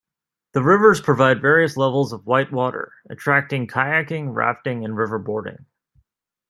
The rivers provide various levels of white water, attracting kayaking, rafting and river boarding.